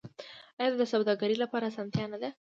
آیا دا د سوداګرۍ لپاره اسانتیا نه ده؟